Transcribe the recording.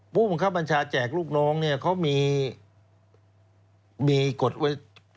ผู้บังคับบัญชาแจกลูกน้องเนี่ยเขามีกฎไว้